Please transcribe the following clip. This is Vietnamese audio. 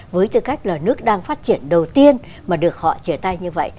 với tư cách là nước đang phát triển đầu tiên mà được họ chia tay như vậy